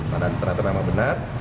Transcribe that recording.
karena ternyata memang benar